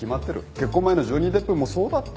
結婚前のジョニー・デップもそうだった。